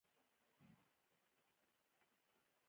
هغه ورته یو په بل پسې ساسج ورکړل